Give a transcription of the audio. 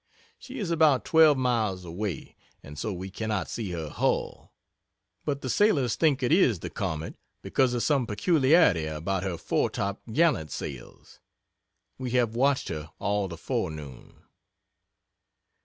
She is about twelve miles away, and so we cannot see her hull, but the sailors think it is the Comet because of some peculiarity about her fore top gallant sails. We have watched her all the forenoon.